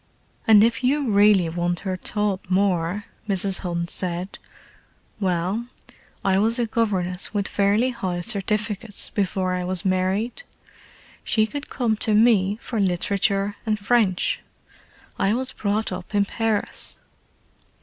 "And if you really want her taught more," Mrs. Hunt said—"well, I was a governess with fairly high certificates before I was married. She could come to me for literature and French; I was brought up in Paris.